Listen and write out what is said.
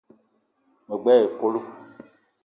Me gbele épölo